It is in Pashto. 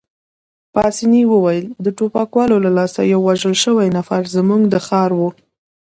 پاسیني وویل: د ټوپکوالو له لاسه یو وژل شوی نفر، زموږ د ښار وو.